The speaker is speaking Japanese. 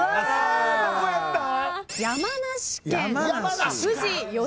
どこやったん？